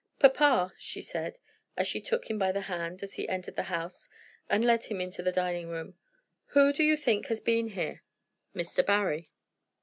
"Papa," she said, as she took him by the hand as he entered the house and led him into the dining room, "who do you think has been here?" "Mr. Barry."